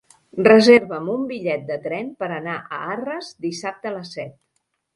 Reserva'm un bitllet de tren per anar a Arres dissabte a les set.